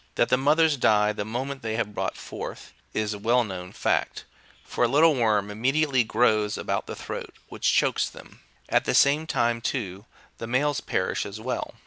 That the mothers die the moment they have brought forth, is a well known fact, for a little worm immediately grows about the throat, which chokes them : at the same time, too, the males perish as well.